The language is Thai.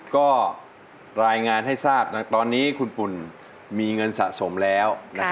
ก็รายงานให้ทราบตอนนี้คุณปุ่นมีเงินสะสมแล้ว